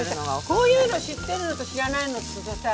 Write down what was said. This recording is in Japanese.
こういうの知ってるのと知らないのとさ